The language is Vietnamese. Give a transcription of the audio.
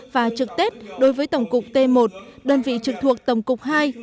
và trực tết đối với tổng cục t một đơn vị trực thuộc tổng cục hai